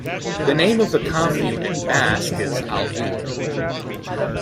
The name of the commune in Basque is "Aldude".